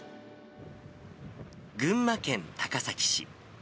群馬県高崎市。